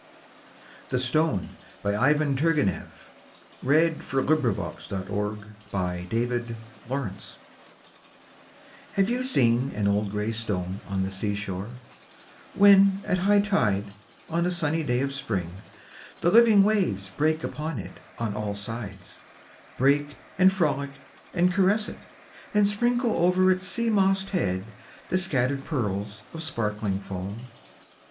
is the face of Christ. Dec, 1878. 304 POEMS IN PROSE n [1879 1882] THE STONE Have you seen an old grey stone on the sea shore, when at high tide, on a sunny day of spring, the living waves break upon it on all sides — break and frolic and caress it — and sprinkle over its sea mossed head the scattered pearls of sparkling foam